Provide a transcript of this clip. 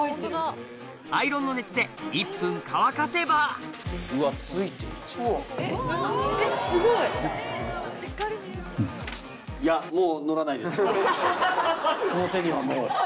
アイロンの熱で１分乾かせばその手にはもう。